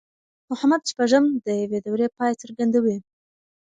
محمد شپږم د يوې دورې پای څرګندوي.